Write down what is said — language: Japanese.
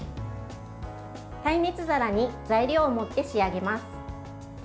耐熱皿に材料を盛って仕上げます。